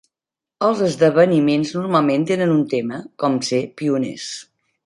Els esdeveniments normalment tenen un tema, com ser pioners.